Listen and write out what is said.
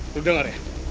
lo denger ya